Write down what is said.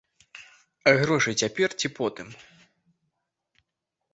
А грошы цяпер ці потым?